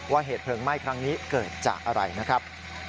เหตุเพลิงไหม้ครั้งนี้เกิดจากอะไรนะครับ